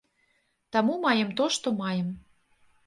Таму маем тое, што маем.